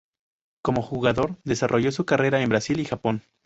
Como jugador desarrolló su carrera en Brasil y Japón.